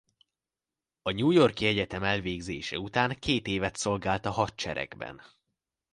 A New York-i egyetem elvégzése után két évet szolgált a hadseregben.